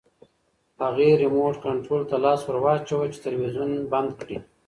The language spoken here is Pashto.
هغې ریموټ کنټرول ته لاس ورواچاوه چې تلویزیون بند کړي.